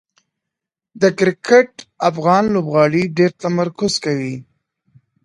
د کرکټ افغان لوبغاړي ډېر تمرکز کوي.